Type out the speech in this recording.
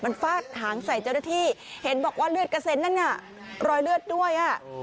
มันฟาดหางใส่เจ้าหน้าที่เห็นบอกว่าเลือดกระเซ็นนั่นน่ะรอยเลือดด้วยอ่ะ